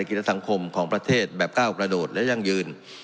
ของเศรษฐกิจสำนักศึกภาพของประเทศแบบเข้ากระโดดและให้ยั่งยืน